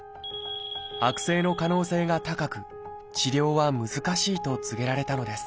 悪性の可能性が高く治療は難しいと告げられたのです。